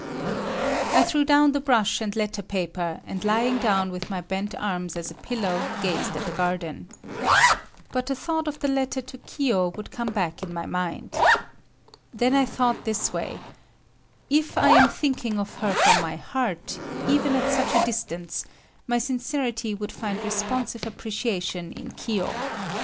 I threw down the brush and letter paper, and lying down with my bent arms as a pillow, gazed at the garden. But the thought of the letter to Kiyo would come back in my mind. Then I thought this way; If I am thinking of her from my heart, even at such a distance, my sincerity would find responsive appreciation in Kiyo.